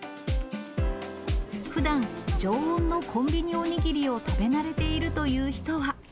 ふだん、常温のコンビニおにぎりを食べ慣れているという人は。